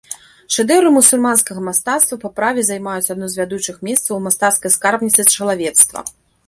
Шэдэўры мусульманскага мастацтва па праве займаюць адно з вядучых месцаў у мастацкай скарбніцы чалавецтва.